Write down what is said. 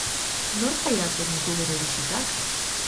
Nork pairatzen ditu bere bisitak?